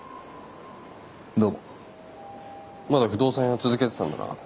まだ不動産屋続けてたんだな。